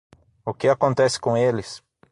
O que acontece com eles?